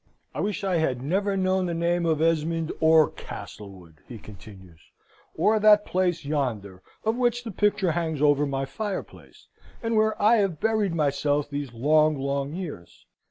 "I wish I had never known the name of Esmond or Castlewood," he continues, "or that place yonder of which the picture hangs over my fireplace, and where I have buried myself these long, long years.